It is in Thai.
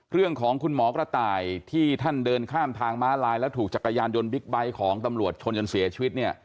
เรื่องของคุณหมอกระต่ายที่ท่านเดินข้ามทางม้าลายแล้วถูกจักรยานยนต์บิ๊กไบท์ของตำรวจชนจนเสียชีวิตเนี่ย